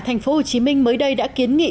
thành phố hồ chí minh mới đây đã kiến nghị